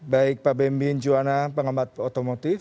baik pak bemin juwana pengamat otomotif